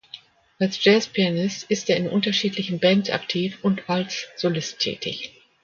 Als Jazzpianist ist er in unterschiedlichen Bands aktiv und als Solist tätig.